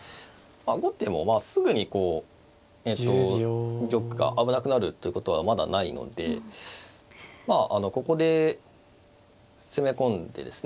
後手もまあすぐにこう玉が危なくなるということはまだないのでまあここで攻め込んでですね